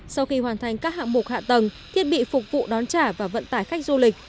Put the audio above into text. sau khi hoàn thành các hạng mục hạ tầng thiết bị phục vụ đón trả và vận tải khách du lịch